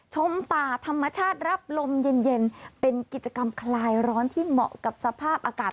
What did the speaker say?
ชมป่าธรรมชาติรับลมเย็นเป็นกิจกรรมคลายร้อนที่เหมาะกับสภาพอากาศ